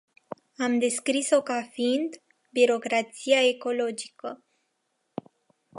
Am descris-o ca fiind "birocrația ecologică”.